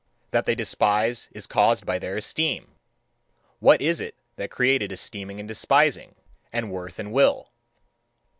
That they despise is caused by their esteem. What is it that created esteeming and despising and worth and will?